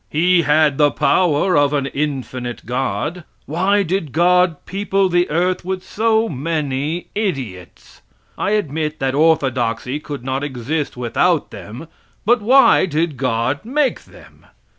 He had the power of an infinite god. Why did God people the earth with so many idiots? I admit that orthodoxy could not exist without them, but why did God make them?